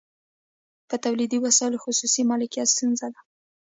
په تولیدي وسایلو خصوصي مالکیت ستونزه ده